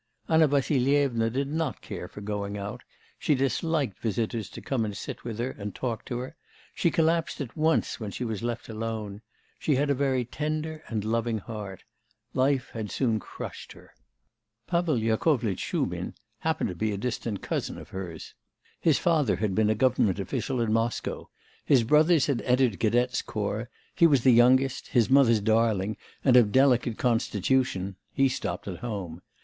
Anna Vassilyevna did not care for going out, she liked visitors to come and sit with her and talk to her; she collapsed at once when she was left alone. She had a very tender and loving heart; life had soon crushed her. Pavel Yakovlitch Shubin happened to be a distant cousin of hers. His father had been a government official in Moscow. His brothers had entered cadets' corps; he was the youngest, his mother's darling, and of delicate constitution; he stopped at home.